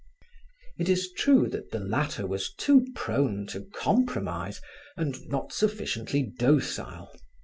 It is true that the latter was too prone to compromise and not sufficiently docile.